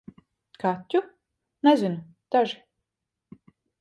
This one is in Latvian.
Kaķu? Nezinu - daži.